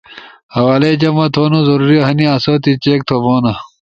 حوالئی جمع تھونو ضروری ہنی آسو تی چیک تھو بونا